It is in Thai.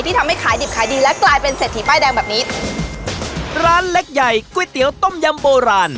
ทำให้ขายดิบขายดีและกลายเป็นเศรษฐีป้ายแดงแบบนี้ร้านเล็กใหญ่ก๋วยเตี๋ยวต้มยำโบราณ